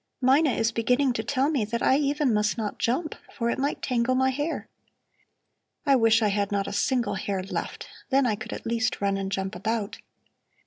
"Mina is beginning to tell me that I even must not jump, for it might tangle my hair. I wish I had not a single hair left; then I could at least run and jump about."